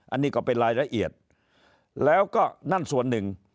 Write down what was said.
อันนี้ก็เป็นรายละเอียดแล้วก็นั่นส่วนหนึ่ง